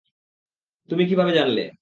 তুৃমি কিভাবে জানলে?